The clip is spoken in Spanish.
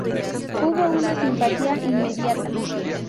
Hubo una simpatía inmediata.